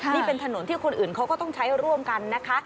นี่เป็นถนนที่คนอื่นเขาก็ต้องใช้ร่วมกันนะคะ